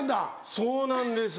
そうなんです。